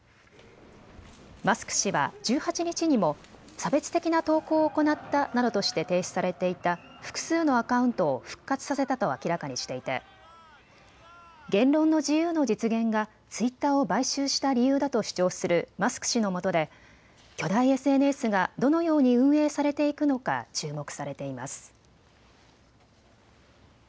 マスク氏は１８日にも差別的な投稿を行ったなどとして停止されていた複数のアカウントを復活させたと明らかにしていて言論の自由の実現がツイッターを買収した理由だと主張するマスク氏のもとで巨大ＳＮＳがどのように運営されていくのか注目されています。